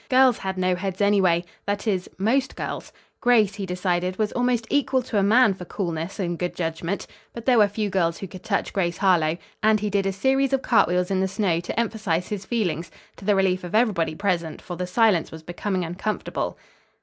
Girls had no heads, anyway, that is, most girls. Grace, he decided, was almost equal to a man for coolness and good judgment. But there were few girls who could touch Grace Harlowe; and he did a series of cartwheels in the snow to emphasize his feelings, to the relief of everybody present, for the silence was becoming uncomfortable.